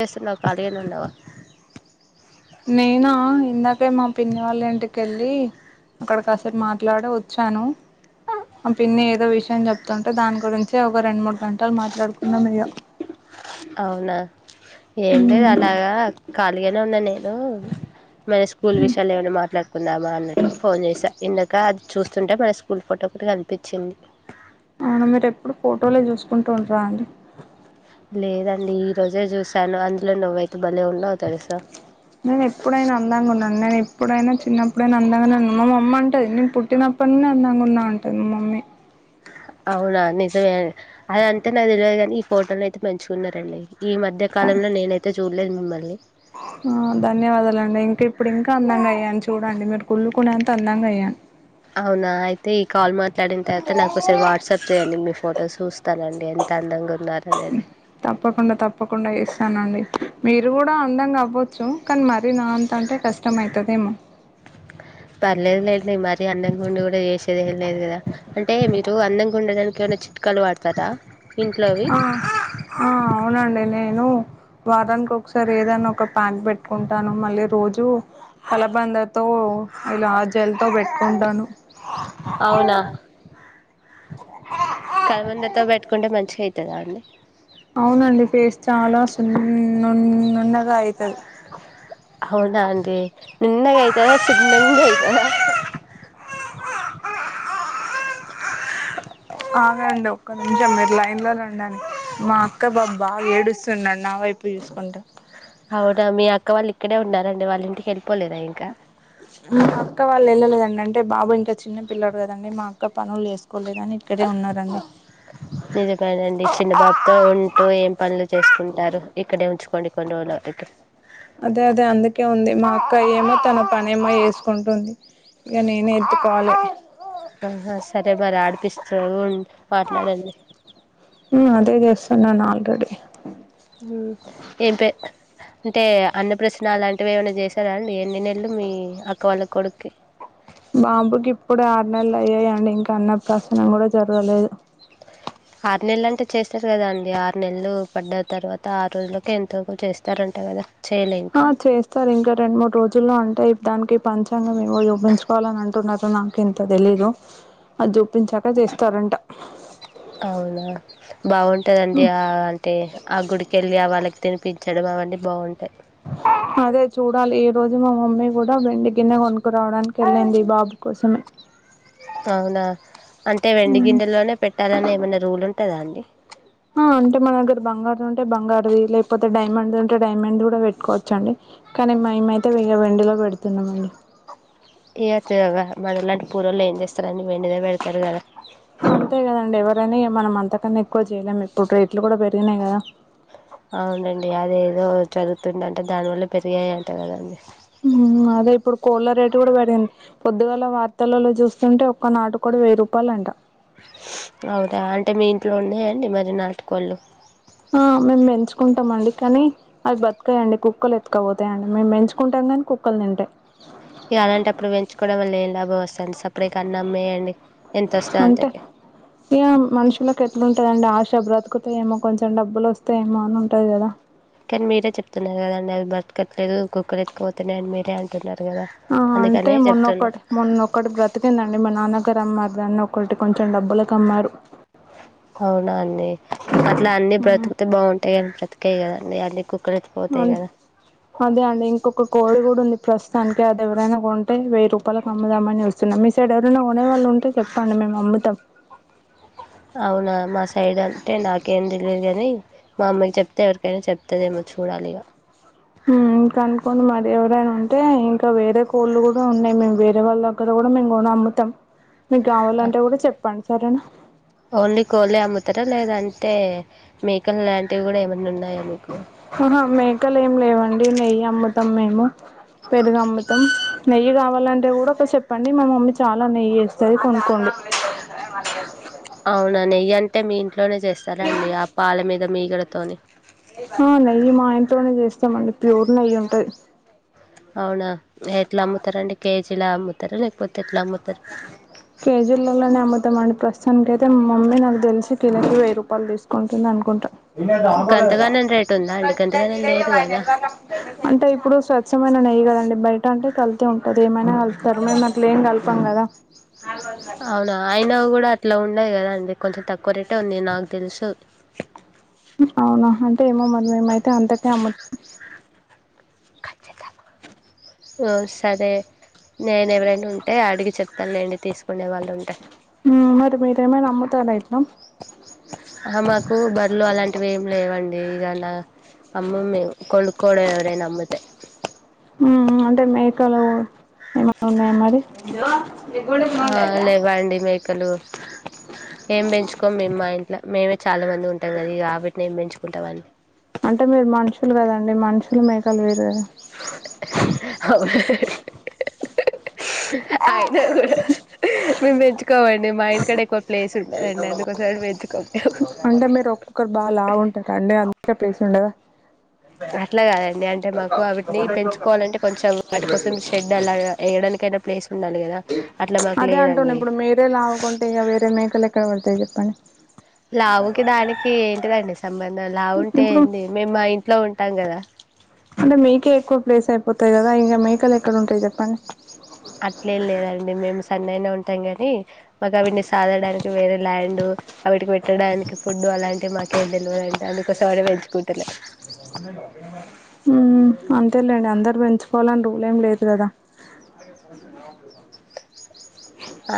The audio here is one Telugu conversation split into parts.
యెస్లో కాలిలుండవ నేనా ఇందాకే మా పిన్ని వాళ్ళ ఇంటికెళ్ళీ అక్కడ కాసేపు మాట్లాడ వచ్చాను మా పిన్ని ఏదో విషయం చెప్తుంటే దాని గురించి ఒక రెండు మూడు గంటలు మాట్లాడుకున్నా మీగ అవునా ఏం లేదు అలాగా కాద్ కలిగానే ఉనండీ మన స్కూల్ విషయాలు ఏమైనా మాట్లాడు తిందామా అన్నట్లు ఫోన్ చేసా విన్లెద్ ఇంకా అది చూస్తుంటే మన స్కూల్ ఫోటో కూడా ఒక్కట్ కనిపించింది. అవున మీరెప్పుడు ఫోటోలే చూసుకుంటూ ఉంటారా అండి లేదండి ఈ రోజే చూసాను అందులో నువ్వై నేను ఎప్పుడైనా అందంగున్నానే ఇప్పుడైనా చిన్నప్పుడైనా అందంగానే ఉన్నాను. మా అమ్మ అంటది నేను పుట్టినప్పటనుండె అందంగా ఉన్నా అంటది మా మమ్మీ [unintelligible] అదంతే నాక్ తెల్విద్ కానీ ఈ ఫోటోలో అయితే మంచిగునరండి ఈ మధ్య కాలంలో నేనైతే చూడ్ లెద్మే మరి ఆ ధన్యవాదాలు అండి ఇంకా ఇప్పుడు ఇంకా అందంగా అయ్యాను చూడండి మీరు కుళ్లుకునేంత అందంగా అయ్యాను అవునా అయితే ఈ కాల్ మాట్లాడిన్ తర్వాత నాకోసారి వాట్సాప్ చేయండి మీ ఫొటోస్ చూస్తానండి తందంగు తప్పకుండ తప్పకుండ ఎస్త్ అనండి మీరు గుడా అందంగా అవొచ్చు కానీ మరీ నా అంత అంటే కష్టమైతదేమో పర్లేద్ లే నేన్ మరీ అందంగుండి కూడా చేసేదేలేద్ గదా అంటే మీరు అందంగా ఉండడానికి ఏమనా చిట్కాలు వాడతారా ఇంట్లోవి ఆహ్ ఆ అవునండి నేను వారానికి ఒకసారి ఏదైనా ఒక ప్యాక్ పెట్టుకుంటాను మళ్ళీ రోజు కలబందతో ఇలా జల్ తో పెట్టుకుంటాను అవునా కల ముందతో పెట్టుకుంటే మంచిగా అవుతుంది అండి అవునండి ఫేస్ చాలా న నణ నుణగా ఆయితుది అవునా అండి నున్నగా అయితదా సున్నంగా అయితదా ఆగండి ఒక్క నిమిషం మీరు లైన్లో ఉండిడి మా అక్క బాబా బాగా ఏడుస్తున్నాడు నా వైపు చూసుకుంటా అవునా మీ అక్క వాళ్ళు ఇక్కడే ఉన్నారండి వాళ్ళ ఇంటికి వెళ్ళిపోలేదా ఇంకా మా అక్క వాళ్ళు వెళ్ళలేదండి అంటే బాబాు ఇంకా చిన్న పిల్లడు కదండి మా అక్క పనులు చేసుకోలేదని ఇక్కడే ఉన్నారండి నిజ పనండి చిన్న బాబుతో ఉంటూ ఏం పనులు చేసుకుంటారు ఇక్కడే ఉంచు డికంందతే అదే అదే అందుకే ఉంది మా అక్కయ ఏమో తన పనే ఏమో వేసుకుంటుంది ఇక నేను ఎత్తుకోవాలి పిస్త హా అదే చెస్ నను ఆల్రెడీ ఏంప అంటే అన్నపశ్న అలాంటివి ఏమైనా చేశారా అండి ఎన్ని నెలలు మీ అక్క వాళ్ళ కొడుక్కి బాబుకి ఇప్పుడు ఆరు నెలలు అయ్యాయండి ఇంకా అన్న ప్రాసనం కూడా జరగలేదు ఆరు నెలలు అంటే చేస్తారు కదా అండి ఆరు నెలలు పడ్డ తర్వాత ఆరు రోజులకే ఎంత చేస్తారంట కదా చేయలే ఇంకా ఆ చేస్తారు ఇంకా రెండు మూడు రోజుల్లో ఉంటాయి దానికి పంచాంగం మేము కూడా చూపించుకోవాలని అంట్ న్న నాక ఇంత తెలీదు అ దు అవునా బాగుంటదండి ఆ అంటే ఆ గుడికెళ్ళి ఆ వాళ్ళకి తినిపించడము అవన్నీ బాగుంటాయి అదే చూడాలి ఈ రోజు మా మమ్మీ కూడా వెండి గిన్నె కొనుకురావడానికి వెళ్ళింది ఈ బాబు కోసమే అవునా అంటే వెండి గిన్నెలోనే పెట్టాలని ఏమన్నా రూల్ ఉంద వుంటదా అండి ఆ అంటే మాకు బంగారు ఉంటే బంగారుది లేకపోతే డైమండ్ ఉంటే డైమండ్ కూడా పెట్టుకోవచ్చండి కానీ మేమ అయితే వె వెండిలో పెడుతున్నాం అండి ఏతిగా మలాడి పూర్లు లే ఏం చేస్తారని పెడతారు కదా అంతే కదండి ఎవరైనా ఏం మనం అంత కన్నా ఎక్కువ చేయలేము ఇప్పుడు రేట్లు కూడా పెరిగినాయి కదా అవునండి అది ఏదో చదువుతుంది అంట దానివల్ల పెరిగాయి అంట కదండి అదే ఇప్పుడు కోళ్ళ రేటు కూడా పెరిగింది పొద్దుగాల వార్తలలో చూస్తుంటే ఒక్క నాటు కోడి వెయ్యి రూపాయలు అంట ఉన్నాయండి మరి నాటుకోళ్ళు ఆ మేము పెంచుకుంటాం అండి కానీ అవి బతకయ్ అండి కుక్కలు ఎత్కపోతాయండి మేము పెంచుకుంటాం కానీ కుక్కలు తింటాయి అడ వల్ళ లాభం వస్తాంది సప్పుడే క అన్నమ్మే అండి అంటే ఇగ మనుషులకి ఎట్లుంటదండి ఆశ బ్రతుకతా ఏమో కొంచెం డబ్బులు వస్తాయేమో అని ఉంటది కదా కానీ మీరే చెప్తున్నారు కదండి అవి బతకట్లేదు కుక్కలు ఎత్తుకుపోతున్నాయి అని మీరే అంటున్నారు కదా ఆ అంటే అందుకనే చెప్తున్నా మొన్నొక్కటి మొన్నక్కటి బ్రతికిందండి మా నాన్నగారు అమ్మ దాన్న ఒకటి కొంచెం డబ్బులు కమ్మారు అవునా అన్నీ అట్లా అన్ని బ్రతుకుతే బాగుంటాయిని బ్రతు కేాం అ అ అదే అండి ఇంకొక కోడి కూడా ఉంది ప్రస్తుతానికి అది ఎవరైనా కొం అంటే వెయ్యి రూపాయలకి అమ్ముదామని వస్తున్నాం మీ సైడ్ ఎవరనా కొనేవాళ్ళు ఉంటే చెప్పండి మేము అమ్ముతాం అవునా మా సైడ్ అంటే నాకేం తెలియదు కాని మా అమ్మకి చెప్తే ఎవరికైనా చెప్తుందేమో చూడాలి ఇక ఇంకానుకోంని మరి ఎవరైనా ఉంటే ఇంకా వేరే కోళ్ళు కూడా ఉన్నాయి మేము వేరే వాళ్ళ ద్గర కూడా మేము కొని అమ్ముతాం మీకు కావాలంటే కూడా చెప్పండి సరేనా ఓన్లీ కోళ్లే అమ్ముతారా లేదంటే మకల్ంటి కూడా మ ఆహ మేకలు ఏమి లేవండి నెయ్యి నమ్ముతాం మేము పెరుగామ్మతం నెయ్యి కా ఇవాలంటే కూడా ఒక చెప్పండి మన మమ్మీ చాలా నెయ్యి చేస్తంది అవునా నయ ఎ తమిన్ ఇంట్లోనే చేస్తాండి ఆ పాల మీద మీకడతోవానేని ఆ నయ్యి మాయంత తలోనే చేస్తా సమం ప్యరు న ఉంట అవునా ఎట్లా అమ్ముతారండి కేజీ ఇలా అమ్ముతారు లేకపోతే ఎట్లా అమ్ కేజర్లలోనే అమ్మత మత ప్రస్తుతానికైయితే మా మమ్మీ నాకు తెలిసి కిలకి వెయి రూపాయలు తీసుకుంటుంది అనుకుంటా గంతగానం రేటు ఉందా అండి గంతగానం లేదు కదా అంటే ఇప్పుడు స్వచ్ఛమైన నెయ్య కదా మల్లె బై అంటే కలిత ఉంటది ఏమనా కతారు మే అట్ల ఏం కత అవునా అయిన కూడా అట్లా ఉ ఉన్నాయి కద అండి కొంచెం తక్కువ రేటే ఉంది నాకు తెలుసు అవునా అంటే ఏమో మనేమైతే అంతకే అమ్ముతాం సరే నేను ఎవరైనా ఉంటే అడిగి చెప్తానుండి తీసుకు కొకునే వాళ్ళు ఉంటాయి మరి మీరేమై నమ్ముతారు అైతునా ఆ మాకు బర్రలు అలాంటివి ఏమి లేవండి అ ఇన్న అమ్మమే కొడుకోడండ నమ్ముతే అంటే మేకలు ఏమన్నా ఉన్నాయా మరి ఆ లేవాండి మేకలు ఏం పెంచుకోం మేమ్ మా ఇంట్లో మేమే చాలా మంది ఉంటాం కద ఆబట్ని ఏం పెంచుకో ఉంటవాడి అంటే మీరు మనుషులు కదండి మనుషులు మేకలు వేరు కదా అ అయిన కూడా మేము మంచు కోమండి మా ఇంటి కడ ఎకువ ప్లేస్ ఉండ దండి అందుకోసం అని వేచ్ అంటే మీరు ఒక్కొక్కరు బా లావుఉంటారా అండి అన్ కే ప్లేస్ ఉండదా అట్లాగాదండి అంటే మాకు అవిటిని పెంచుకోవాలంటే కొంచెం వాటి కోసం షెడ్ అలాగా వేయడానికయినా ప్లేస్ ఉండాలి కదా అట్లా మాకు అదే అంటున్న లేదండి ఇప్పుడు మేరే లావుగా ఉంటే ఇక వేరే మేకలు ఎక్కడ పడతాయి చెప్పండి లావుకి దానికి ఏంటి న్ సంబంధం లా లావు ఉంటే ఇప్పుడు ఏంది మేము మా ఇంట్లో ఉంటాం కదా అంటే మీకే ఎక్కువ ప్లేస్ అయిపోత్ తది కదా ఇంకా మేకలు ఎక్కడ ఉంటాయి చెప్పండి అట్లే ఏం లేదండి మేము సన్నగానే ఉంటాం కాని మాకు అవిని సాధడానికి వేరే ల్యాండ్ అవిటికి పెట్టడానికి ఫుడ్ అలాంటివి మాకేం తెలువదు అందుకోసం అని పెంచుకుంటలే హుమ్ అంతే లే అందరు పెంచుకోవాలని రూలేం లేదు కదా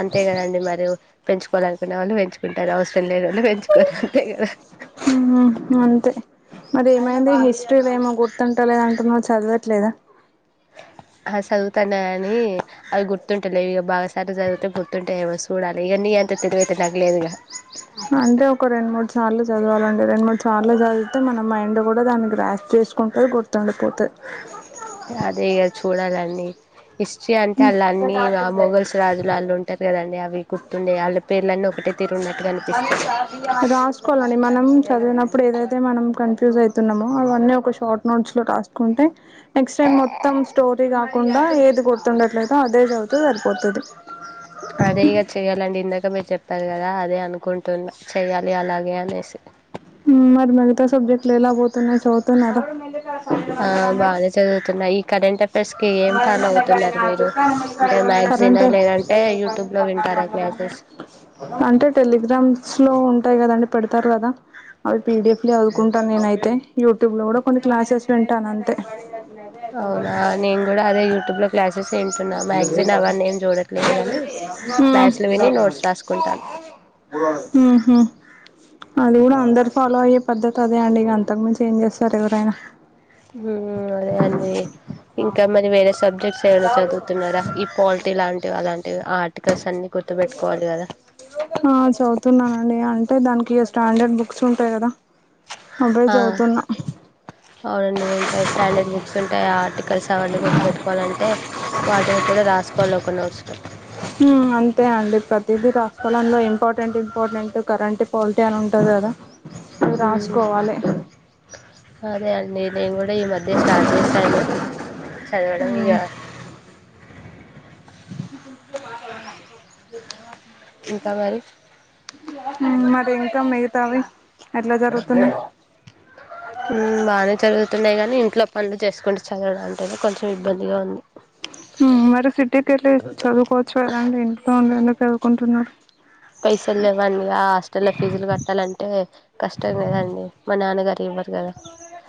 అంతే కదండి మరి పెంచుకోవాలనుకునే వాళ్ళు పెంచుకుంటారు అవసరం లే నోళ్ళు పెంచుకోరూ అంతే కదా హుమ్ అంతే అది ఏమైంది హిస్టరీ లేమో గుర్తుంటా లేదంటున్నావ్ చదివ ట్ లేదా ఆ చదువుతాన్నా గాని అవి గుర్తుంట లేవు ఇగ బాగా సార్లు చదివితే గుర్తుంటయి ఎమో స్ అంటే ఒక రెండు మూడు సార్లు చదవాలండి రెండు మూడు సార్లు చదివితే మన మైండ్ కూ డ దానికి గ్రాస్ చేసుకుంటది గుర్తుండిపోతది అదే ఇగ చూడాలండి హిస్టరీ అంటే ఆళ్ళ అన్నీ ఆ మొగల్స్ రాజులు ఆళ్ళు ఉంటారు కదండి అవి గుర్తుండే ఆళ్ళ పేర్లన్నీ ఒకటే తీరు ఉన్నట్టుగా అనిపిస్తాయి రాసుకోవాలండి మనం చదివినప్పుడు ఏదైతే మనం కన్ఫ్యూజ్ అయితున్నమో అవన్నీ ఒక షార్ట్ నోట్స్ లో రాసుకుంటే నెక్స్ట్ టైమ్ మొత్తం స్టోరీ కాకుండా ఏది గుర్తుండట్లయితేో అదే చదుతే సరిపోతది ఇంకా మీరు చెప్పారు కదా అదే అనుకుంటున్నా చెయ్యాలి అలాగే అనేసి కొత్త సబ్జెక్టులు ఎలా బోత్ తున్నాయి చదువుతున్నారు ఆ బానే చదువుతున్నా ఈ కరెంట్ అఫైర్స్ కి ఏం ఫాలో అవుతున్నారు మీరు అంటే మ్యాగజీనా కరెంటు ఏ లేదంటే యూట్యూబ్ లో వింటారా క్లాసెస్ అంటే టెలిగ్రామ్స్ లో ఉంటాయి కదండి పెడతారు కదా అవి పీడిఎఫ్ లే చదువుకుంటాను నేనైతే యూట్యూబ్ లో కూడా కొన్ని క్లాసెస్ వింటాను అంతే అవునా నేను కూడా అదే యూట్యూబ్ లో క్లాసెస్ ఏ వింటున్నా మ్యాగ్జైన్ అవన్నీ ఏం చూడట్లేదు గానీ బ్యాథ్స్లో విని నోట్స్ రాసుకుంటాను ఉహు అది గూడా అందర్ ఫాలో అయ్యే పద్ధతి అదే అండి ఇగ అంతకు మించి ఏం చేస్తారు ఎవరైనా ఉహు అదే అండి ఇంకా మరి వేరే సబ్జెక్ట్స్ ఏమైనా చదువుతున్నారా ఈ పాలిటీ లాంటివి అలాంటి ఏదో ఆర్ట్ హా చదుతున్నానండి అన్ అంటే దానికి ఇగ స్టాండర్డ్ బుక్స్ ఉంటాయి గదా ఆ అవునండి ఉంటాయి స్టాండర్డ్ బుక్స్ ఉంటాయి ఆర్టికల్స్ అవన్నీ గుర్తుపెట్టుకోవాలంటే వాటిని కూడా రాసుకోవాలి ఒక నోట్స్ లో ఉమ్ అంతే అండి ప్రతిదీ రాసుకోలంలో పోల్టీ అని ఉంటది గదా ఉహు అదే అండి నేను గుడ్ అంటే ఈ మధ్య స్టార్ట్ చేశాను చదవడం ఇగ ఇంకా మరి [unintelligible] ఉ మరి ఇంకా మిగతావి ఎట్లా జరుగుతున్నాయి తున్నాయి గాని ఇంట్లో పనులు చేసుకొని చదవడం అంటేనే కొంచెం ఇబ్బందిగా ఉంది ఉ మరి సిటీకి వెళ్ళి చదువుకోవచ్చు గదండి ఇంట్లో ఉంది ఎందుకు ఉంటున్న పైసలు లేవండి ఆ హాస్టల్లో ఫీజులు కట్టాలంటే కష్టం కదండి మా నాన్నగారు ఇవ్వరు గదా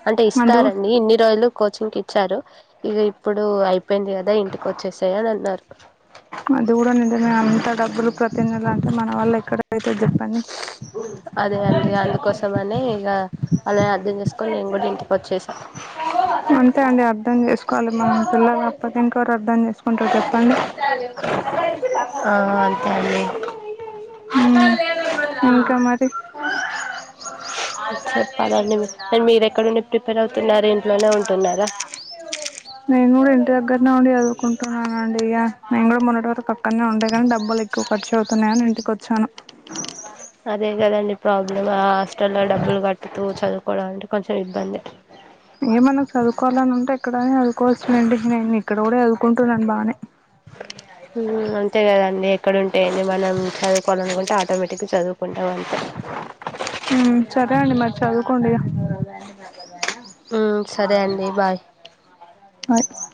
అంటే అందు ఇస్తారండి ఇన్ని రోజులు కోచింగ్కి కి ఇచ్చారు ఇగ ఇప్ ఇప్పుడు అయిపోయింది గదా ఇంటికి వచ్చేసాయి అని అన్నారు అది కూడా ఆళ్ళు ఎక్కడ అయితే చెప్పండి అదే అండి అందుకోసమనే ఇక అలా అర్థం చేసుకొని నేను కూడా ఇంటికి వచ్చేసా అంతే అండి అర్థం చేసుకోవాలి మన పిల్లలు అప్పతే ఇంకెవరు అర్థం చేసుకుంటారు చెప్పండి ఆ అంతే అండి ఉమ్ ఇంకా మరి చెప్పదండి అ మీర్ ఎక్కడ నుండి ప్రిపేర్ అవుతు తిన్నారా ఇంట్లోనే ఉంటున్నారా నేను గూడా ఇంటి దగ్గరనే ఉండి చదువుకుంటున్నాను అండి ఇగ నేను కూడా మొన్నటి వరకు పక్కనే ఉండే గాన్ డబ్బులు ఎక్కువఖర్చు అవుతున్నాయని ఇంటికొచ్చాను అదే గదండి ప్రాబ్లమ్ ఆ హాస్టల్ లో డబ్బులు కట్టుతూ చదువుకోవడం అంటు కొంచెం ఇబ్బందే ఏమన్నా చదువుకోవాలి అని ఉంటే ఎక్కడైనా చదువుకోవచ్చు లేండి నేను ఇక్కడ గూడా చదువుకుంటున్నాను బాగానే ఉహు అంతే గదండి ఎక్కడ ఉంటే ఏంది మనం చదువుకోవాలనుకుంటే ఆటోమేటిక్గా చదువుకుంటాం అన్ చదువుకొండి ఇగా. ఆ సరే అండి బాయ్. బాయ్